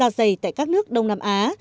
ra dày tại các nước đông nam á